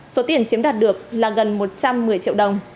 sổ tiền chiếm đạt được là gần một trăm một mươi triệu đồng